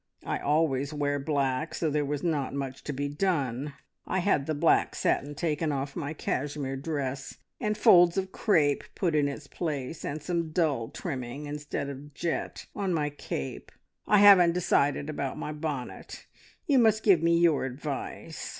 I always wear black, so there was not much to be done. I had the black satin taken off my cashmere dress, and folds of crape put in its place, and some dull trimming, instead of jet, on my cape. I haven't decided about my bonnet. You must give me your advice.